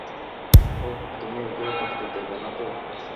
ওহ, তুমি ওকে কষ্ট দেবে না তো।